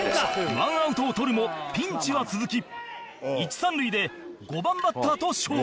１アウトを取るもピンチは続き一三塁で５番バッターと勝負